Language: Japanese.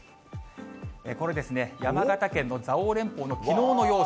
これですね、山形県の蔵王連峰のきのうの様子。